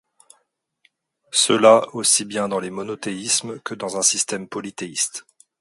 Cela aussi bien dans les monothéismes que dans un système polythéiste.